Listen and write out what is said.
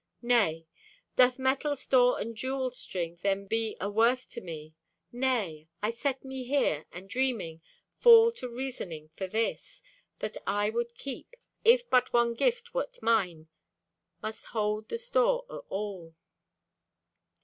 Nay. Doth metal store and jewelled string Then be aworth to me? Nay. I set me here, And dreaming, fall to reasoning for this, That I would keep, if but one gift wert mine Must hold the store o' all.